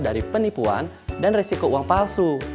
dari penipuan dan resiko uang palsu